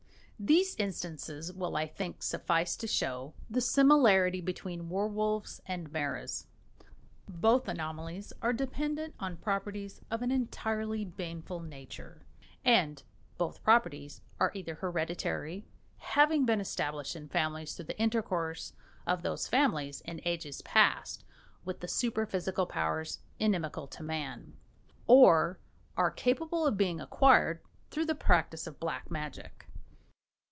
These instances will, I think, suffice to show the similarity between werwolves and maras. Both anomalies are dependent on properties of an entirely baneful nature; and both properties are either hereditary, having been established in families through the intercourse of those families in ages past with the superphysical Powers inimical to man; or are capable of being acquired through the practice of Black Magic.